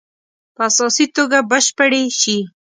په اساسي توګه بشپړې شي.